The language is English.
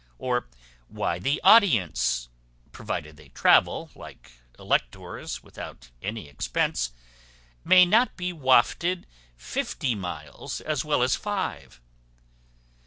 Or why the audience (provided they travel, like electors, without any expense) may not be wafted fifty miles as well as five?